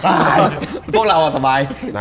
พวกเราสบาย